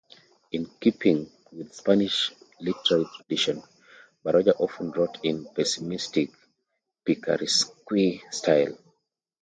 In keeping with Spanish literary tradition, Baroja often wrote in a pessimistic, picaresque style.